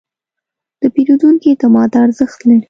د پیرودونکي اعتماد ارزښت لري.